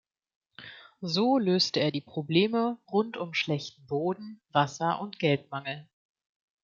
So löste er die Probleme rund um schlechten Boden, Wasser- und Geldmangel.